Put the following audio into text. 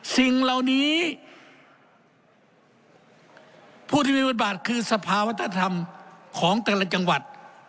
สิ่งเหล่านี้ผู้ที่มีบทบาทคือสภาวัฒนธรรมของแต่ละจังหวัด